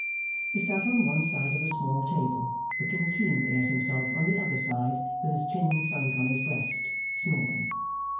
He sat on one side of the small table, looking keenly at himself on the other side with his chin sunk on his breast, snoring.